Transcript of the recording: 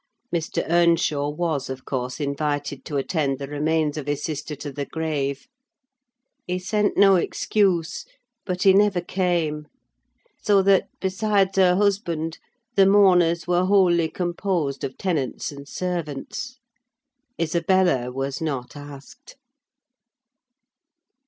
Mr. Earnshaw was, of course, invited to attend the remains of his sister to the grave; he sent no excuse, but he never came; so that, besides her husband, the mourners were wholly composed of tenants and servants. Isabella was not asked.